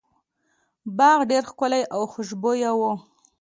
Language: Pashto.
باغ ډیر ښکلی او خوشبويه و.